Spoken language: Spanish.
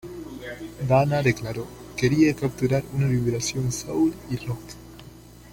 Dana declaró: "Quería capturar una vibración soul y rock...